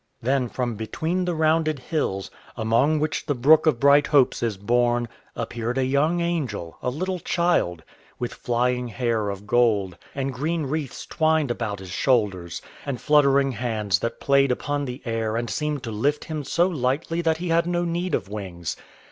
Then from between the rounded hills, among which the brook of Brighthopes is born, appeared a young angel, a little child, with flying hair of gold, and green wreaths twined about his shoulders, and fluttering hands that played upon the air and seemed to lift him so lightly that he had no need of wings.